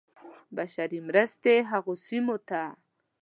بشري مرستې هغو سیمو ته.